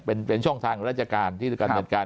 เป็นช่องทางของราชการที่กำเนิดการ